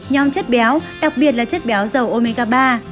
nhóm chất béo đặc biệt là chất béo dầu omega ba